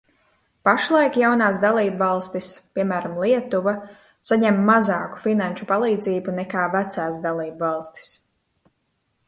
Pašlaik jaunās dalībvalstis, piemēram, Lietuva, saņem mazāku finanšu palīdzību nekā vecās dalībvalstis.